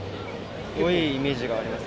多いイメージがあります。